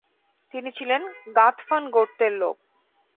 তিনি ছিলেন গাতফান গোত্রের লোক।